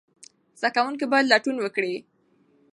زده کوونکي باید لټون وکړي.